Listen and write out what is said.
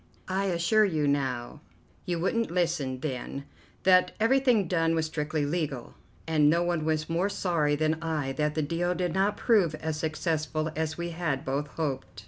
I assure you now you wouldn't listen then that everything done was strictly legal, and no one was more sorry than I that the deal did not prove as successful as we had both hoped."